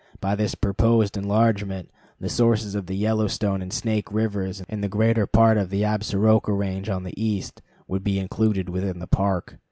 By this proposed enlargement, the sources of the Yellowstone and Snake rivers, and the greater part of the Absaroka Range on the east, would be included within the Park.